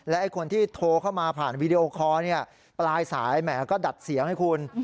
ไอ้คนที่โทรเข้ามาผ่านวีดีโอคอร์ปลายสายแหมก็ดัดเสียงให้คุณ